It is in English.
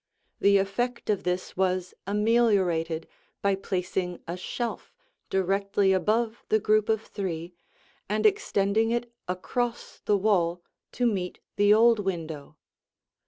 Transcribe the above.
The effect of this was ameliorated by placing a shelf directly above the group of three and extending it across the wall to meet the old window.